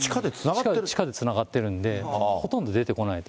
地下でつながってるんで、ほとんど出てこないと。